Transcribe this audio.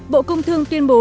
bộ công thương tuyên bố